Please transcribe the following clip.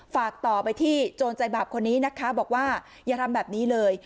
ฝากต่อไปที่โจรใจบาปคนนี้นะคะบอกว่าอย่าทำแบบนี้เลย